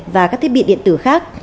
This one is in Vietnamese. và các thiết bị điện tử khác